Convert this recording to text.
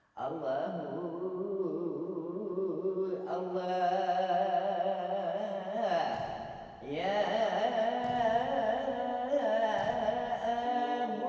kalau zikir yang sebagai obat zikir adalah sedangzaman